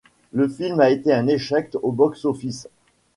Le film a été un échec au box-office.